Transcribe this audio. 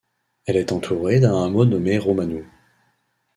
Elle est entourée d'un hameau nommé Roumanou.